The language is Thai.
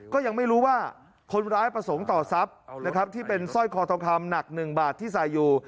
ก็ยังไม่รู้ว่าคนร้ายประสงค์ต่อทรัพย์นะครับที่เป็นสร้อยคอทองคำหนัก๑บาทที่ใส่อยู่